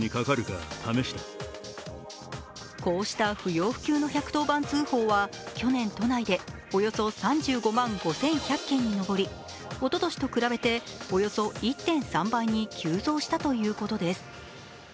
こうした不要不急の１１０番通報は去年都内でおよそ３５万５１００件に上りおととしと比べて、およそ１．３倍に急増したということです。